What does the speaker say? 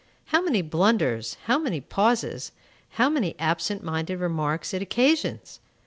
How many blunders, how many pauses, how many absent minded remarks it occasions!